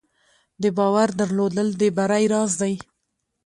د باور درلودل د بری راز دی.